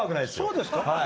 そうですか？